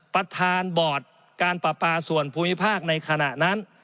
ประธานบอร์ดการปราปาส่วนภูมิภาคในขณะนั้น